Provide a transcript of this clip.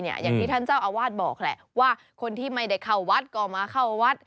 อย่างที่ท่านเจ้าอาวาสบอกแหละว่าคนที่ไม่ได้เข้าวัดก็มาเข้าวัด